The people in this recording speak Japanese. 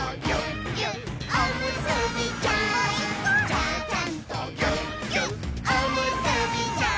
「ちゃちゃんとぎゅっぎゅっおむすびちゃん」